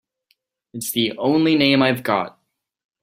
It's the only name I've got.